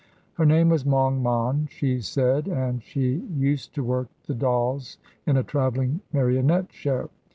Her name was Maung Mon, she said, and she used to work the dolls in a travelling marionette show.